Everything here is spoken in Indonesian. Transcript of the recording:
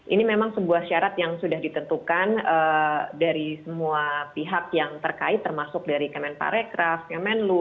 ini memang sebuah syarat yang sudah ditentukan dari semua pihak yang terkait termasuk dari kemenparekraf kemenlu